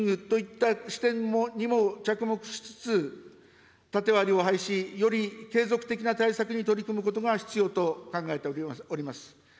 ｂｅｉｎｇといった視点にも着目しつつ、縦割りを排し、より継続的な対策に取り組むことが必要と考えております。